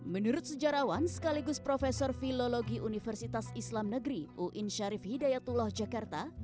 menurut sejarawan sekaligus profesor fiologi universitas islam negeri uin syarif hidayatullah jakarta